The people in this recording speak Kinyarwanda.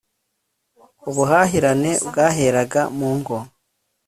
ubuhahirane bwaheraga mu ngo